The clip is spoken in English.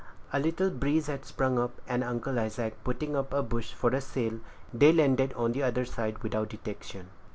A little breeze had sprung up, and Uncle Isaac putting up a bush for a sail, they landed on the other side without detection.